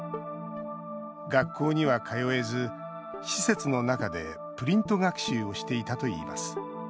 学校には通えず、施設の中でプリント学習をしていたといいます。